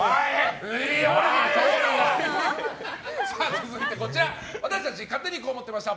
続いて私たち勝手にこう思ってました！